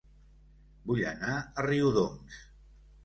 Vull anar a Riudoms